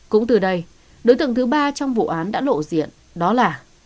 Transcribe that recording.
cũng từ đây đối tượng thứ ba trong vụ án đã lộ diện đó là